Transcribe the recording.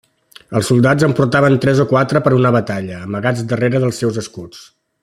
Els soldats en portaven tres o quatre per una batalla, amagats darrere dels seus escuts.